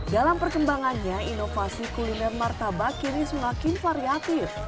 dalam perkembangannya inovasi kuliner martabak kini semakin variatif